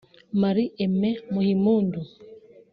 Marie Aimee Muhimpundu